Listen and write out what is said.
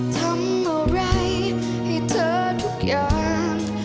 ทำอะไรให้เธอทุกอย่าง